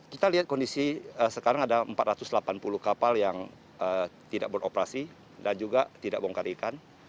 kita lihat kondisi sekarang ada empat ratus delapan puluh kapal yang tidak beroperasi dan juga tidak bongkar ikan